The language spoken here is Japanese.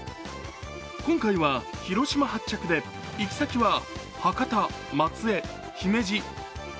今回は広島発着で行き先は博多、松江、姫路。